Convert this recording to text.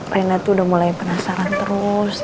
rena tuh udah mulai penasaran terus